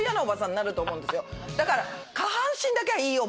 だから。